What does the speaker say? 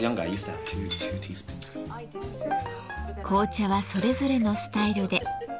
紅茶はそれぞれのスタイルで。